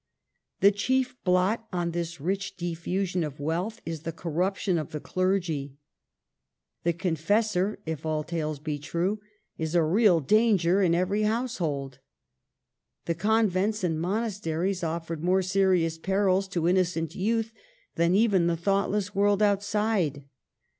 The chief blot on this rich diffusion of wealth is the corruption of the clergy. The confessor, if all tales be true, is a real danger in every house hold. The convents and monasteries offered more serious perils to innocent youth than even the thoughtless world outside.